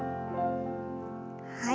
はい。